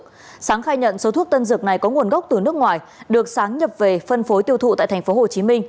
sáng khai nhận số thuốc tân dược này có nguồn gốc từ nước ngoài được sáng nhập về phân phối tiêu thụ tại tp hcm